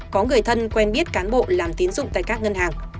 có người thân quen biết cán bộ làm tiến dụng tại các ngân hàng